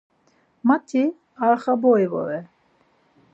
Mati Arxavuli vore.